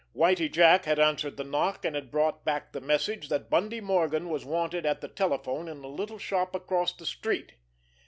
Whitie Jack had answered the knock, and had brought back the message that Bundy Morgan was wanted at the telephone in a little shop across the street.